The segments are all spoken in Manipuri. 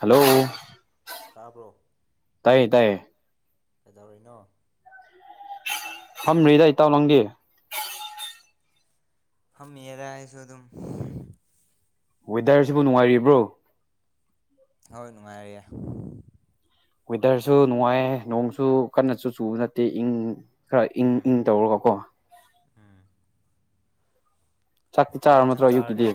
ꯍꯜꯂꯣ ꯇꯥꯕ꯭ꯔꯣ ꯇꯥꯏꯌꯦ ꯇꯥꯏꯌꯦ ꯀꯩꯗꯧꯔꯤꯅꯣ ꯐꯝꯃꯤꯗ ꯏꯇꯥꯎ ꯅꯪꯗꯤ ꯐꯝꯃꯤꯌꯦꯗ ꯑꯩꯁꯨ ꯑꯗꯨꯝ ꯋꯦꯗꯔꯁꯤꯕꯨ ꯅꯨꯡꯉꯥꯏꯔꯤꯕ꯭ꯔꯣ ꯍꯣꯏ ꯅꯨꯡꯉꯥꯏꯔꯤꯌꯦ ꯋꯦꯗꯔꯁꯨ ꯅꯨꯡꯉꯥꯏꯌꯦ ꯅꯣꯡꯁꯨ ꯀꯟꯅꯁꯨ ꯆꯨꯕ ꯅꯠꯇꯦ ꯏꯪ ꯈꯔ ꯏꯪ ꯏꯪ ꯇꯧꯔꯒ ꯀꯣ ꯎꯝ ꯆꯥꯛꯀꯤ ꯆꯥꯔꯝ ꯅꯠꯇ꯭ꯔꯣ ꯑꯌꯨꯛꯀꯤꯗꯤ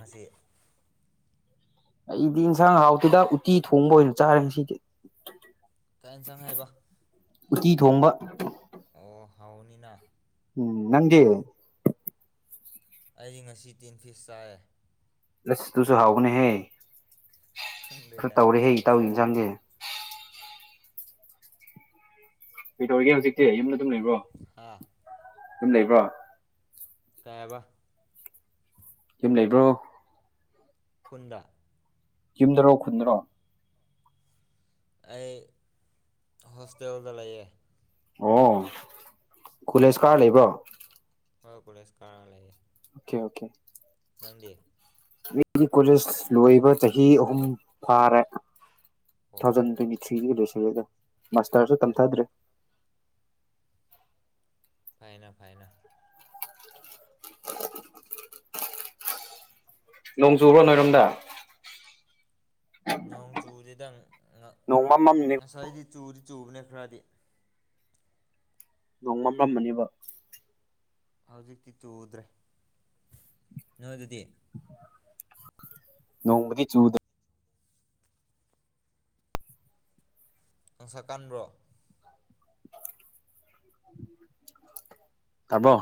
ꯑꯩꯗꯤ ꯏꯟꯁꯥꯡ ꯍꯥꯎꯇꯦꯗ ꯎꯠꯇꯤ ꯊꯣꯡꯕ ꯑꯣꯏꯅ ꯆꯥꯔꯦ ꯉꯁꯤꯗꯤ ꯀꯥꯏ ꯏꯟꯁꯥꯡ ꯍꯥꯏꯕ ꯎꯇꯤ ꯊꯣꯡꯕ ꯑꯣ ꯍꯥꯎꯅꯤꯅ ꯎꯝ ꯅꯪꯗꯤ ꯑꯩꯗꯤ ꯉꯁꯤ ꯇꯤꯟ ꯐꯤꯁ ꯆꯥꯏꯌꯦ ꯂꯁ ꯗꯨꯁꯨ ꯍꯥꯎꯕꯅꯦꯍꯦ ꯈꯔ ꯇꯧꯔꯦ ꯍꯦ ꯏꯇꯧꯒꯤ ꯏꯪꯖꯥꯡꯁꯦ ꯀꯩꯗꯧꯔꯤꯒꯦ ꯍꯧꯖꯤꯛꯇꯤ ꯌꯨꯝꯅ ꯑꯗꯨꯝ ꯂꯩꯕ꯭ꯔꯣ ꯌꯨꯝ ꯂꯩꯕ꯭ꯔꯣ ꯀꯩ ꯍꯥꯏꯕ ꯌꯨꯝ ꯂꯩꯕ꯭ꯔꯣ ꯈꯨꯟꯗ ꯌꯨꯝꯗꯔꯣ ꯈꯨꯟꯗꯔꯣ ꯑꯩ ꯍꯣꯁꯇꯦꯜꯗ ꯂꯩꯌꯦ ꯑꯣ ꯀꯨꯂꯦꯁ ꯀꯥꯔ ꯂꯩꯕ꯭ꯔꯣ ꯍꯣꯏ ꯀꯣꯂꯦꯖ ꯀꯥꯔꯥ ꯂꯩꯌꯦ ꯑꯣꯈꯦ ꯑꯣꯈꯦ ꯅꯪꯗꯤ [inaudible] ꯀꯣꯂꯦꯖ ꯂꯣꯏꯕ ꯆꯍꯤ ꯑꯍꯨꯝ ꯐꯥꯔꯦ ꯇꯨꯊꯥꯎꯖꯟ ꯇ꯭ꯋꯦꯟꯇꯤ ꯊ꯭ꯔꯤꯗ ꯂꯣꯏꯁꯤꯜꯂꯦꯗꯥ ꯃꯥꯁꯇꯔꯁꯨ ꯇꯝꯊꯗ꯭ꯔꯦ ꯐꯩꯅꯥ ꯐꯩꯅꯥ ꯅꯣꯡ ꯆꯨꯕ꯭ꯔꯣ ꯅꯣꯏꯔꯣꯝꯗ ꯅꯣꯡ ꯆꯨꯗꯦꯗꯥ ꯉꯁꯥꯏꯗꯤ ꯆꯨꯗꯤ ꯆꯨꯕꯅꯤ ꯈꯔꯗꯤ ꯅꯣꯡ ꯃꯝꯔꯝꯃꯅꯦꯕ ꯍꯧꯖꯤꯛꯇꯤ ꯆꯨꯗ꯭ꯔꯦ ꯅꯣꯏꯗꯨꯗꯤ ꯅꯣꯡꯕꯨꯗꯤ ꯆꯨꯗꯦ ꯉꯁꯥ ꯀꯟꯕ꯭ꯔꯣ ꯇꯥꯕ꯭ꯔꯣ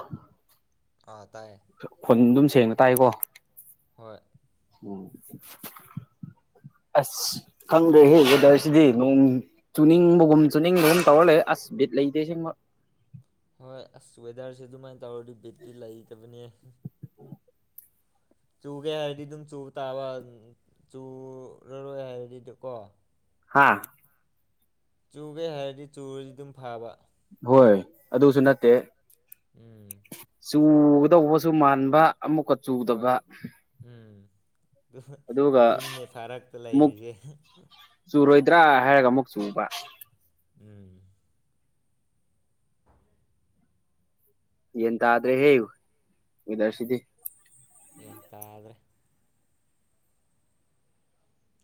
ꯑꯥ ꯇꯥꯏꯌꯦ ꯈꯣꯟ ꯑꯗꯨꯝ ꯁꯦꯡꯅ ꯇꯥꯏꯀꯣ ꯍꯣꯏ [inaudible] [inaudible] ꯑꯁ ꯈꯪꯗ꯭ꯔꯦꯍꯦ ꯋꯦꯗꯔꯁꯤꯗꯤ ꯅꯣꯡ ꯆꯨꯅꯤꯡꯕꯒꯨꯝ ꯆꯨꯅꯤꯡꯗꯒꯨꯝ ꯇꯧꯔ ꯂꯩꯔꯦ ꯑꯁ ꯕꯤꯠ ꯂꯩꯇꯦ ꯑꯁꯦꯡꯕ ꯍꯣꯏ ꯑꯁ ꯋꯦꯗꯔꯁꯦ ꯑꯗꯨꯃꯥꯏꯅ ꯇꯧꯔꯗꯤ ꯕꯤꯠꯇꯤ ꯂꯩꯇꯕꯅꯦ ꯆꯨꯒꯦ ꯍꯥꯏꯔꯗꯤ ꯑꯗꯨꯝ ꯆꯨꯕ ꯇꯥꯕ ꯑꯝ ꯆꯨꯔꯔꯣꯏ ꯍꯥꯏꯔꯗꯤ ꯗꯀꯣ ꯍꯥꯥ ꯆꯨꯒ‌ꯦ ꯍꯥꯏꯔꯗꯤ ꯆꯨꯔꯗꯤ ꯑꯗꯨꯝ ꯐꯥꯕ ꯍꯣꯏ ꯑꯗꯨꯁꯨ ꯅꯠꯇꯦ ꯎꯝ ꯆꯨꯒꯗꯧꯕꯁꯨ ꯃꯥꯟꯕ ꯑꯃꯨꯛꯀ ꯆꯨꯗꯕ ꯎꯝ ꯑꯗꯨ ꯑꯗꯨꯅꯤꯅꯦ ꯐꯥꯔꯛꯇ ꯂꯩꯔꯤꯖ‌ꯦ ꯆꯨꯔꯣꯏꯗ꯭ꯔꯥ ꯍꯥꯏꯔꯒ ꯑꯃꯨꯛ ꯆꯨꯕ ꯎꯝ ꯒ꯭ꯌꯥꯟ ꯇꯥꯗ꯭ꯔꯦꯍꯦ ꯋꯦꯗꯔꯁꯤꯗꯤ ꯒ꯭ꯌꯥꯟ ꯇꯥꯗ꯭ꯔꯦ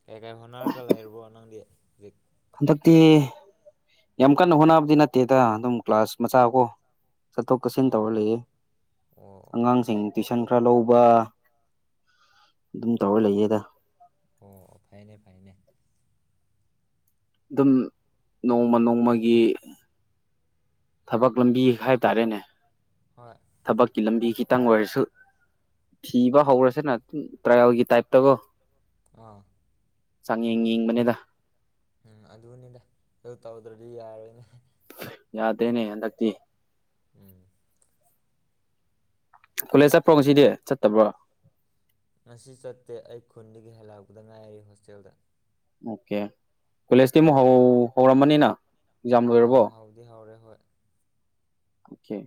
ꯀꯩ ꯀꯩ ꯍꯣꯠꯅꯔꯒ ꯂꯩꯔꯨꯕꯣ ꯅꯪꯗꯤ ꯍꯨꯖꯤꯛ ꯍꯟꯗꯛꯇꯤ ꯌꯥꯝ ꯀꯟꯅ ꯍꯣꯠꯅꯕꯗꯤ ꯅꯠꯇꯦꯗ ꯑꯗꯨꯝ ꯀ꯭ꯂꯥꯁ ꯃꯆꯥ ꯀꯣ ꯆꯠꯊꯣꯛ ꯆꯠꯁꯤꯟ ꯇꯧꯔ ꯂꯩꯌꯦ ꯑꯉꯥꯡꯁꯤꯡ ꯇꯨꯏꯁꯟ ꯈꯔ ꯂꯧꯕ ꯑꯗꯨꯝ ꯇꯧꯔ ꯂꯩꯌꯦꯗꯥ ꯑꯣ ꯐꯩꯅꯦ ꯐꯩꯅꯦ ꯑꯗꯨꯝ ꯅꯣꯡꯃ ꯅꯣꯡꯃꯒꯤ ꯊꯕꯛ ꯂꯝꯕꯤ ꯍꯥꯏꯕꯇꯥꯔꯦꯅꯦ ꯍꯣꯏ ꯊꯕꯛꯀꯤ ꯂꯝꯕꯤ ꯈꯤꯇꯪ ꯑꯣꯏꯔꯁꯨ ꯊꯤꯕ ꯍꯧꯔꯁꯤꯅ ꯗꯨꯝ ꯇ꯭ꯔꯥꯌꯜꯒꯤ ꯇꯥꯏꯞꯇꯀꯣ ꯑꯥ ꯆꯥꯡꯌꯦꯡ ꯌꯦꯡꯕꯅ‌ꯦꯗ ꯎꯝ ꯑꯗꯨꯅꯤꯗ ꯑꯗꯨ ꯇꯧꯗ꯭ꯔꯗꯤ ꯌꯥꯔꯣꯏꯅꯦ ꯌꯥꯗꯦꯅꯦ ꯍꯟꯗꯛꯇꯤ ꯎꯝ ꯀꯣꯂꯦꯖ ꯆꯠꯄ꯭ꯔꯣ ꯉꯁꯤꯗꯤ ꯆꯠꯇꯕ꯭ꯔꯣ ꯉꯁꯤ ꯆꯠꯇꯦ ꯑꯩ ꯈꯨꯟꯗꯒꯤ ꯍꯜꯂꯛꯄꯗ ꯉꯥꯏꯔꯤ ꯍꯣꯁꯇꯦꯜꯗ ꯑꯣꯀꯦ ꯀꯣꯂꯦꯖꯇꯤ ꯑꯃꯨꯛ ꯍꯧ ꯍꯧꯔꯝꯃꯅꯤꯅ ꯑ ꯍꯧꯗꯤ ꯍꯧꯔꯦ ꯍꯣꯏ ꯑꯣꯈ‌ꯦ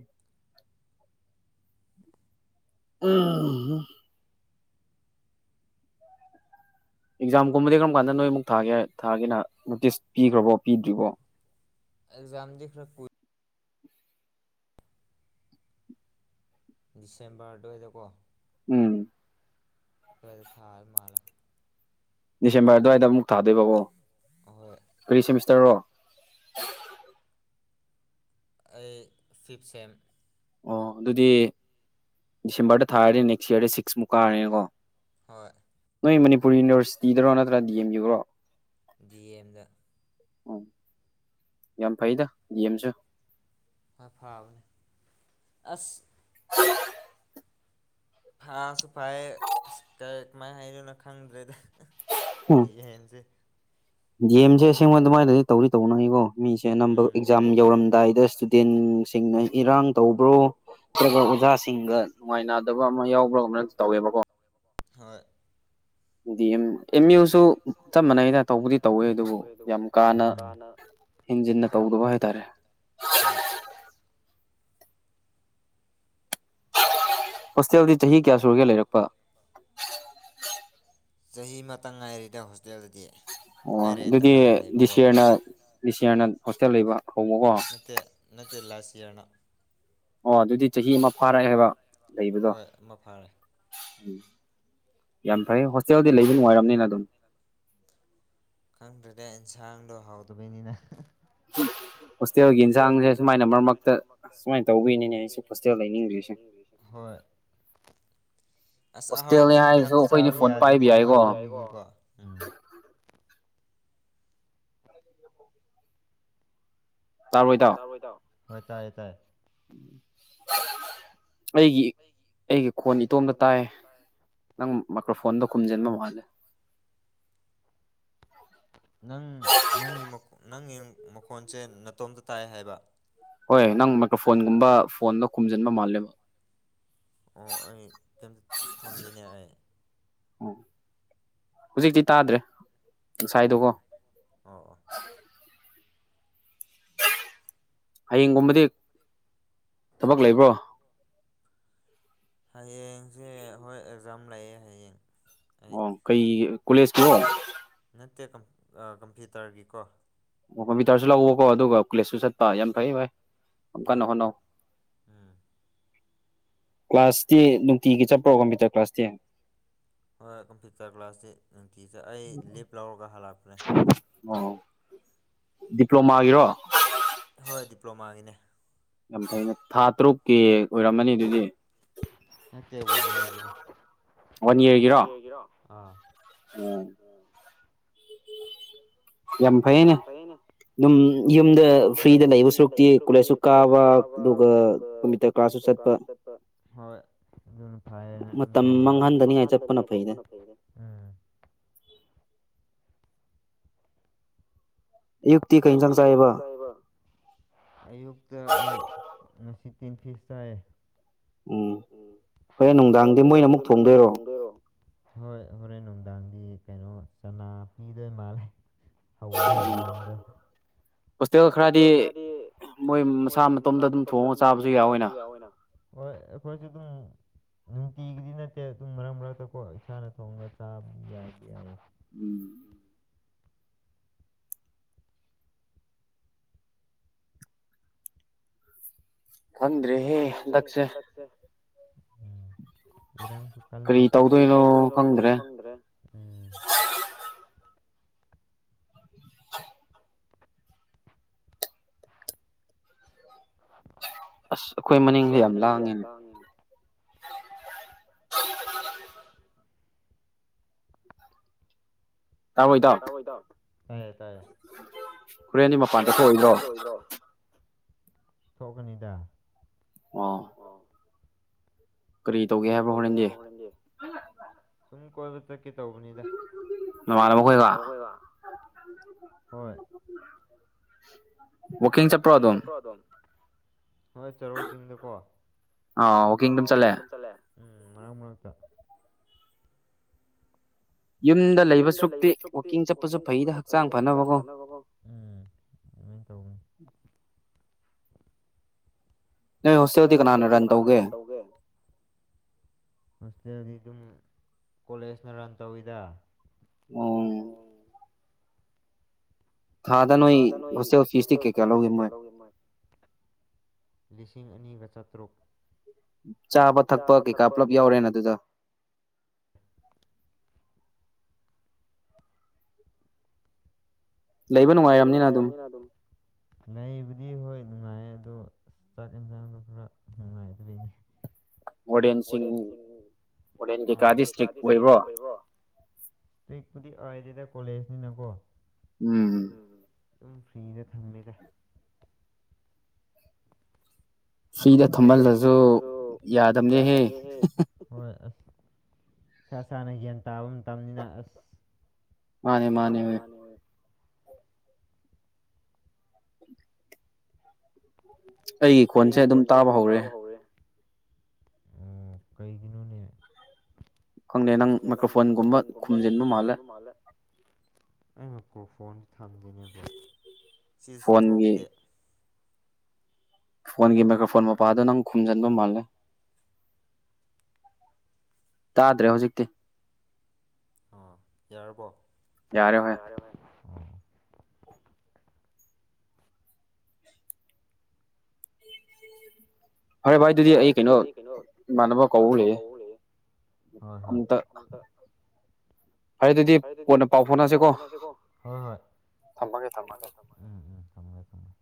ꯎꯝ ꯑꯦꯛꯖꯥꯝꯒꯨꯝꯕꯗꯤ ꯀꯔꯝ ꯀꯥꯟꯗ ꯅꯣꯏ ꯑꯃꯨꯛ ꯊꯥꯒꯦ ꯊꯥꯒꯦꯅ ꯅꯣꯇꯤꯁ ꯄꯤꯈ꯭ꯔꯕꯣ ꯄꯤꯗ꯭ꯔꯤꯕꯣ ꯑꯦꯛꯖꯥꯝꯗꯤ ꯈꯔ ꯀꯨꯏ ꯗꯤꯁꯦꯝꯕꯔ ꯑꯗꯨꯋꯥꯏꯗꯀꯣ ꯎꯝ ꯗꯨꯋꯥꯏꯗ ꯊꯥ ꯃꯥꯜꯂꯦ ꯗꯤꯁꯦꯝꯕꯔ ꯑꯗꯨꯋꯥꯏꯗ ꯑꯃꯨꯛ ꯊꯥꯗꯣꯏꯕ ꯑꯣ ꯀꯔꯤ ꯁꯦꯃꯤꯁꯇꯔꯔꯣ ꯑꯩ ꯐꯤꯞ ꯁꯦꯝ ꯑꯣ ꯗꯨꯗꯤ ꯗꯤꯁꯦꯝꯕꯔꯗ ꯊꯥꯔꯗꯤ ꯅꯦꯛꯁ ꯏꯌꯥꯔꯗ ꯁꯤꯛꯁꯃꯨꯛ ꯀꯥꯔꯦꯅꯦꯀꯣ ꯍꯣꯏ ꯅꯣꯏ ꯃꯅꯤꯄꯨꯔ ꯌꯨꯅꯤꯕꯔꯁꯤꯇꯤꯗꯔꯣ ꯅꯠꯇ꯭ꯔꯥ ꯗꯤ ꯑꯦꯝ ꯌꯨ ꯔꯣ ꯗꯤ ꯑꯦꯝꯗ ꯑꯣ ꯌꯥꯝ ꯐꯩꯗ ꯗꯤ ꯑꯦꯝꯁꯨ ꯐꯥ ꯐꯕꯅꯤ ꯑꯁ [inaudible] ꯐꯥꯁꯨ ꯐꯩ ꯑꯁ ꯀ ꯀꯃꯥꯏꯅ ꯍꯥꯏꯅꯣꯏꯅꯣ ꯈꯪꯗ꯭ꯔꯦꯗ ꯌꯦꯟꯁꯦ ꯗꯤ ꯑꯦꯝꯁꯦ ꯑꯁꯦꯡꯕ ꯑꯗꯨꯃꯥꯏꯅꯗꯗꯤ ꯇꯧꯔꯤ ꯇꯧꯅꯉꯀꯣ ꯃꯤꯁꯦ ꯑꯅꯝꯕ ꯑꯦꯛꯖꯥꯝ ꯌꯧꯔꯝꯗꯥꯏꯗ ꯏꯁꯇꯨꯗꯦꯟ ꯁꯤꯡꯅ ꯏꯔꯥꯡ ꯇꯧꯕ꯭ꯔꯣ ꯅꯠꯇ꯭ꯔꯒ ꯑꯣꯖꯥꯁꯤꯡꯒ ꯅꯨꯡꯉꯥꯏꯅꯗꯕ ꯑꯃ ꯌꯥꯎꯕ꯭ꯔꯣ ꯍꯣꯏ ꯗꯤ ꯑꯦꯝ ꯑꯦꯝ ꯌꯨꯁꯨ ꯆꯞ ꯃꯥꯟꯅꯩꯅ ꯇꯧꯕꯗꯤ ꯇꯧꯋꯦ ꯑꯗꯨꯕꯨ ꯌꯥꯝ ꯀꯥꯅ ꯍꯦꯟꯖꯤꯟꯅ ꯇꯧꯗꯕ ꯍꯥꯏꯇꯥꯔꯦ ꯍꯣꯏ ꯍꯣꯁꯇꯦꯜꯗꯤ ꯆꯍꯤ ꯀꯌꯥ ꯁꯨꯔꯒꯦ ꯂꯩꯔꯛꯄ ꯆꯍꯤ ꯑꯃꯇ ꯉꯥꯏꯔꯤꯗ ꯍꯣꯁꯇꯦꯜꯗꯗꯤ ꯑꯣ ꯑꯗꯨꯗꯤ ꯗꯤ ꯁꯤꯌꯥꯔꯅ ꯗꯤ ꯁꯤꯌꯥꯔꯅ ꯍꯣꯁꯇꯦꯜ ꯂꯩꯕ ꯍꯧꯕꯀꯣ ꯅꯠꯇꯦ ꯅꯠꯇꯦ ꯂꯥꯁꯏꯌꯔꯅ ꯑꯣ ꯑꯗꯨꯗꯤ ꯆꯍꯤ ꯑꯃ ꯐꯥꯔꯦ ꯍꯥꯏꯕ ꯂꯩꯕꯗꯣ ꯌꯥꯝ ꯐꯔꯩ ꯍꯣꯁꯇꯦꯜꯗꯤ ꯂꯩꯗꯤ ꯅꯨꯡꯉꯥꯏꯔꯝꯅꯤꯅ ꯑꯗꯨꯝ ꯈꯪꯗ꯭ꯔꯗ ꯑꯦꯟꯁꯥꯡꯗꯣ ꯍꯥꯎꯇꯥꯕꯩꯅꯤꯅ ꯎꯝ ꯍꯣꯁꯇꯦꯜꯒꯤ ꯏꯟꯁꯥꯡꯁꯦ ꯁꯨꯃꯥꯏꯅ ꯃꯔꯛ ꯃꯔꯛꯇ ꯁꯨꯃꯥꯏꯅ ꯇꯧꯕꯤꯅꯤꯅꯦ ꯑꯩꯁꯨ ꯍꯣꯁꯇꯦꯜ ꯂꯩꯅꯤꯡꯗ꯭ꯔꯤꯁꯦ ꯑꯁ ꯑꯍꯥꯎꯕꯁꯨ ꯏꯊꯟꯇ ꯆꯥꯕ ꯌꯥꯗꯅꯦ [unintelligible] ꯇꯥꯕꯣ ꯏꯇꯥꯎ ꯇꯕꯣ ꯏꯇꯥꯎ ꯍꯣꯏ ꯇꯥꯏ ꯇꯥꯏ ꯑꯩꯒꯤ ꯑꯩꯒꯤ ꯈꯣꯟ ꯏꯇꯣꯝꯗ ꯇꯥꯏ ꯅꯪ ꯃꯥꯏꯀ꯭ꯔꯣꯐꯣꯟꯗꯣ ꯈꯨꯝꯖꯤꯟꯕ ꯃꯥꯜꯂꯦ ꯅꯪ ꯅꯪꯒꯤ ꯃꯛ ꯅꯪꯒꯤ ꯃꯈꯣꯟꯁꯦ ꯅꯇꯣꯝꯇ ꯇꯥꯏ ꯍꯥꯏꯕ ꯍꯣꯏ ꯅꯪ ꯃꯥꯏꯀ꯭ꯔꯣꯐꯣꯟꯒꯨꯝꯕ ꯐꯣꯟꯗ ꯈꯨꯝꯖꯤꯟꯕ ꯃꯥꯜꯂꯦꯕ ꯑꯣ ꯑꯩ ꯀꯩꯝ ꯊꯝꯗꯤꯅꯦ ꯑꯩ ꯍꯧꯖꯤꯛꯇꯤ ꯇꯥꯗ꯭ꯔꯦ ꯉꯁꯥꯏꯗꯣꯀꯣ ꯑꯧ ꯑ ꯍꯌꯦꯡꯒꯨꯝꯕꯗꯤ ꯊꯕꯛ ꯂꯩꯕ꯭ꯔꯣ ꯍꯌꯦꯡꯁꯦ ꯍꯣꯏ ꯑꯦꯛꯖꯥꯝ ꯂꯥꯛꯑꯦ ꯍꯌꯦꯡ ꯑꯣ ꯀꯩ ꯀꯣꯂꯦꯖꯀꯤꯔꯣ ꯅꯠꯇꯦ ꯀꯝ ꯑꯥ ꯀꯝꯄ꯭ꯌꯨꯇꯔꯒꯤꯀꯣ ꯃꯣꯏ ꯃꯤꯇꯥꯔꯁꯨ ꯂꯥꯛꯎꯀꯣ ꯑꯗꯨꯒ ꯀꯨꯂꯦꯁꯁꯨ ꯆꯠꯄ ꯌꯥꯝ ꯐꯩ ꯚꯥꯏ ꯍꯣꯏ ꯎꯝ ꯀ꯭ꯂꯥꯁꯇꯤ ꯅꯨꯡꯇꯤꯒꯤ ꯆꯠꯄ꯭ꯔꯣ ꯒꯝꯕꯤꯇꯔ ꯀ꯭ꯂꯥꯁꯇꯤ ꯍꯣꯏ ꯀꯝꯄ꯭ꯌꯨꯇꯔ ꯀ꯭ꯂꯥꯁꯁꯤ ꯅꯨꯡꯇꯤꯖꯦ ꯑꯩ ꯂꯤꯞ ꯂꯧꯔꯒ ꯍꯜꯂꯛꯄꯅꯦ ꯍꯟꯗꯛ ꯑꯣ ꯗꯤꯄ꯭ꯂꯣꯃꯥꯒꯤꯔꯣ ꯍꯣꯏ ꯗꯤꯄ꯭ꯂꯣꯃꯥꯒꯤꯅꯦ ꯌꯥꯝ ꯐꯩꯅ ꯊꯥ ꯇꯔꯨꯛꯀꯤ ꯑꯣꯏꯔꯝꯃꯅꯤ ꯑꯗꯨꯗꯤ ꯅꯠꯇꯦ ꯋꯥꯟ ꯏꯌꯔꯒꯤꯅꯦ ꯋꯥꯟ ꯏꯔꯒꯤꯔꯣ ꯑ ꯎꯝ ꯌꯝ ꯐꯩꯅꯦ ꯑꯗꯨꯝ ꯌꯨꯝꯗ ꯐ꯭ꯔꯤꯗ ꯂꯩꯕ ꯁꯨꯔꯨꯛꯇꯤ ꯀꯣꯂꯦꯖꯁꯨ ꯀꯥꯕ ꯑꯗꯨꯒ ꯀꯝꯄꯨꯇꯔ ꯀꯥꯁꯨ ꯆꯠꯄ ꯍꯣꯏ ꯎꯝ ꯐꯩ ꯑꯗꯨꯝ ꯇꯧ ꯃꯇꯝ ꯃꯪꯍꯟꯗꯅꯤ ꯍꯥꯏ ꯆꯠꯄꯅ ꯐꯩꯁꯦ ꯎꯝ ꯑꯌꯨꯛꯇꯤ ꯀꯩ ꯏꯟꯖꯥꯡ ꯆꯥꯏꯑꯕ ꯑꯌꯨꯛꯇꯥ ꯑꯩ ꯉꯁꯤ ꯇꯤꯟꯐꯤꯁ ꯆꯥꯏꯌꯦ ꯎꯝ ꯍꯣꯔꯦꯟ ꯅꯨꯡꯗꯥꯡꯗꯤ ꯃꯣꯏꯅ ꯑꯃꯨꯛ ꯊꯣꯡꯗꯣꯏꯔꯣ ꯍꯣꯏ ꯍꯣꯔꯦꯟ ꯅꯨꯡꯗꯥꯡꯗꯤ ꯀꯩꯅꯣ ꯆꯅꯥ ꯄꯤꯗꯣꯏ ꯃꯥꯜꯂꯦ ꯍꯋꯥꯏ ꯃꯪꯒꯟꯒꯥ ꯍꯣꯁꯇꯦꯜ ꯈꯔꯗꯤ ꯃꯣꯏ ꯃꯁꯥ ꯃꯇꯣꯝꯗ ꯑꯗꯨꯝ ꯊꯣꯡꯉ ꯆꯥꯕꯁꯨ ꯌꯥꯎꯋꯦꯅ ꯍꯣꯏ ꯑꯩꯈꯣꯏꯁꯨ ꯑꯗꯨꯨꯝ ꯅꯨꯡꯇꯤꯒꯤꯗꯤ ꯅꯠꯇꯦ ꯑꯗꯨꯝ ꯃꯔꯛ ꯃꯔꯛꯇꯀꯣ ꯏꯁꯥꯅ ꯊꯣꯡꯉꯒ ꯆꯥꯕꯗꯤ ꯌꯥꯎꯕꯗꯤ ꯌꯥꯎꯋꯦ ꯎꯝ ꯈꯪꯗ꯭ꯔꯦꯍꯦ ꯍꯟꯗꯛꯁꯦ ꯎꯝ ꯏꯔꯥꯡꯁꯨ ꯀꯜꯂꯦ ꯀꯔꯤ ꯇꯧꯗꯣꯏꯅꯣ ꯈꯪꯗ꯭ꯔꯦ ꯑꯁ ꯑꯈꯣꯏ ꯃꯅꯤꯡꯗꯤ ꯌꯥꯝ ꯂꯥꯡꯉꯤꯅꯦ ꯇꯥꯕ꯭ꯔꯣ ꯏꯇꯥꯎ ꯀꯣ ꯏꯇꯥꯎ ꯇꯥꯏꯌꯦ ꯇꯥꯏꯌꯦ ꯍꯣꯔꯦꯟꯗꯤ ꯃꯄꯥꯟꯗ ꯀꯣꯏꯗ꯭ꯔꯣ ꯊꯣꯛꯀꯥꯅꯤꯗ ꯑꯣ ꯀꯔꯤ ꯇꯧꯒꯦ ꯍꯥꯏꯕ ꯍꯣꯔꯦꯟꯗꯤ ꯁꯨꯝ ꯀꯣꯏꯕ ꯆꯠꯀꯦ ꯇꯧꯕꯅꯤꯗ ꯅꯃꯥꯟꯅꯕ ꯈꯣꯏꯒ ꯍꯣꯏ [inaudible] ꯋꯥꯛꯀꯤꯡ ꯆꯠꯄ꯭ꯔꯣ ꯑꯗꯨꯝ ꯍꯣꯏ ꯍꯣꯏ ꯆꯦꯔꯥꯎ ꯆꯤꯡꯗꯀꯣ ꯑꯥꯎ ꯋꯥꯛꯀꯤꯡ ꯑꯗꯨꯝ ꯆꯠꯂꯦ ꯎꯝ ꯃꯔꯛ ꯃꯔꯛꯇꯥ ꯌꯨꯝꯗ ꯂꯩꯕ ꯁꯨꯛꯇꯤ ꯋꯥꯀꯤꯡ ꯆꯠꯄꯖꯨ ꯐꯩꯗ ꯍꯛꯆꯥꯡ ꯐꯅꯕ ꯀꯣ ꯎꯝ ꯑꯗꯨꯃꯥꯏꯟ ꯇꯧꯕꯅꯤ ꯅꯣꯏ ꯍꯣꯁꯇꯦꯜꯗꯤ ꯀꯅꯥꯅ ꯔꯟ ꯇꯧꯒꯦ ꯍꯣꯁꯇꯦꯜꯗꯤ ꯗꯨꯝ ꯀꯣꯂꯦꯖꯅ ꯔꯟ ꯇꯧꯋꯤꯗ ꯑꯣꯝ ꯑꯥꯗ ꯅꯣꯏ ꯍꯣꯁꯇꯦꯜ ꯐꯤꯁꯇꯤ ꯀꯩꯀꯥ ꯂꯧꯒꯦ ꯃꯣꯏ ꯂꯤꯁꯤꯡ ꯑꯅꯤꯒ ꯆꯥꯇ꯭ꯔꯨꯛ ꯆꯥꯕ ꯊꯛꯄ ꯀꯩꯀꯥ ꯄꯨꯂꯞ ꯌꯥꯎꯔꯦꯅ ꯑꯗꯨꯗꯣ [inaudible] ꯂꯩꯕ ꯅꯨꯡꯉꯥꯏꯔꯝꯅꯤꯅ ꯑꯗꯨꯝ ꯂꯩꯕꯗꯤ ꯍꯣꯏ ꯅꯨꯡꯉꯥꯏ ꯑꯗꯣ ꯆꯥꯛ ꯏꯟꯁꯥꯡꯗꯣ ꯈꯔ ꯅꯨꯡꯉꯥꯏꯇꯕꯩꯅꯤ ꯋꯥꯔꯗꯦꯟꯁꯤꯡ ꯍꯥ [unintelligible] ꯀꯥꯗꯤ ꯁꯇ꯭ꯔꯤꯛ ꯑꯣꯏꯕꯣ ꯁ꯭ꯇꯔꯤꯛꯄꯨꯗꯤ ꯑꯣꯏꯗꯦꯗ ꯀꯣꯂꯦꯖꯅꯤꯅꯀꯣ ꯎꯝ ꯎꯝ ꯑꯗꯨꯝ ꯐ꯭ꯔꯤꯗ ꯊꯝꯃꯦꯗ ꯐ꯭ꯔꯤꯗ ꯊꯝꯃꯜꯂꯖꯨ ꯌꯥꯗꯝꯅꯦꯍꯦ ꯍꯣꯏ ꯑꯁ ꯏꯁꯥ ꯁꯥꯅ ꯒ꯭ꯌꯥꯟ ꯇꯥꯕ ꯃꯇꯝꯅꯤꯅ ꯑꯁ ꯃꯥꯅꯦ ꯃꯥꯅꯦꯃꯦ ꯑꯩꯒꯤ ꯈꯣꯟꯁꯦ ꯑꯗꯨꯝ ꯇꯥꯕ ꯍꯧꯔꯦ ꯑꯣ ꯀꯩꯒꯤꯅꯣꯅꯦ ꯈꯪꯗꯦ ꯅꯪ ꯃꯥꯏꯀꯔꯐꯣꯟꯒꯨꯝꯕ ꯈꯨꯝꯖꯤꯟꯕ ꯃꯥꯜꯂꯦ ꯑꯩ ꯃꯥꯀ꯭ꯔꯣꯐꯣꯟ ꯊꯝꯗꯦꯅꯦ ꯕ꯭ꯔꯣ ꯁꯤꯁꯨ ꯊꯣꯛꯇꯦ ꯐꯣꯟꯒꯤ ꯃꯥꯏꯀ꯭ꯔꯣꯐꯣꯟ ꯃꯄꯥꯗꯣ ꯅꯪ ꯈꯨꯝꯖꯤꯟꯕ ꯃꯥꯜꯂꯦ ꯇꯥꯗ꯭ꯔꯦ ꯍꯧꯖꯤꯛꯇꯤ ꯑꯥ ꯌꯥꯔꯕꯣ ꯌꯥꯔꯦ ꯍ‌ꯣꯏ ꯌꯥꯔ‌ꯦ ꯍ‌ꯣꯏ ꯐꯔꯦ ꯚꯥꯏ ꯑꯗꯨꯗꯤ ꯑꯩ ꯀꯩꯅꯣ ꯏꯃꯥꯟꯅꯕ ꯀꯧ ꯂꯩ ꯍꯣꯏ ꯍꯣꯏ ꯑꯝꯇ ꯐꯔ‌ꯦ ꯑꯗꯨꯗꯤ ꯀꯣꯟꯅ ꯄꯥꯎ ꯐꯥꯎꯅꯁꯤꯀꯣ ꯍ‌ꯣꯏ ꯊꯝꯃꯒꯦ ꯊꯝ [unintelligible]